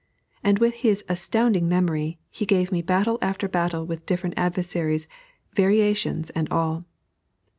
And with his astounding memory, he gave me battle after battle with different adversaries, variations and all.